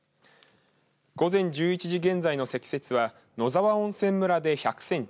午前１１時現在の積雪は野沢温泉村で１００センチ